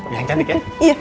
yang cantik ya